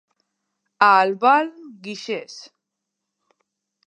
A Albal, guixers.